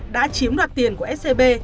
đã chiếm đoạt tiền của scb